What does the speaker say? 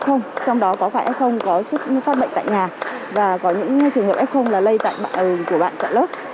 trong đó có phải f có xuất phát bệnh tại nhà và có những trường hợp f là lây tại mạng của bạn tại lớp